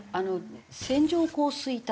線状降水帯。